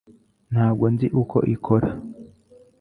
Ntabwo nzi uko ikora